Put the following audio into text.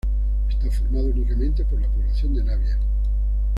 Está formado únicamente por la población de Navia.